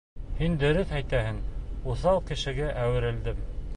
Һин дөрөҫ әйтәһең, уҫал кешегә әүерелдем.